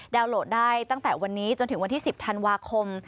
โหลดได้ตั้งแต่วันนี้จนถึงวันที่๑๐ธันวาคม